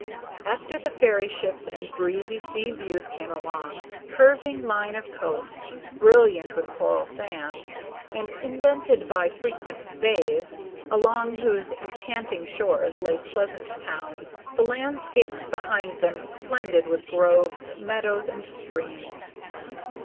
After the fairy ships and breezy sea views came a long, curving line of coast, brilliant with coral sands, and indented by frequent bays, along whose enchanting shores lay pleasant towns, the landscapes behind them splendid with groves, meadows, and streams.